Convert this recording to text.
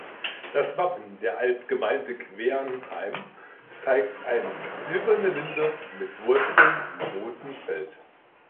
Das Wappen der Altgemeinde Quernheim zeigt eine silberne Linde mit Wurzeln im roten Feld.